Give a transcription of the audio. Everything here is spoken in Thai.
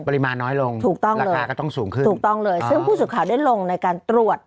น้อยลงถูกต้องราคาก็ต้องสูงขึ้นถูกต้องเลยซึ่งผู้สื่อข่าวได้ลงในการตรวจ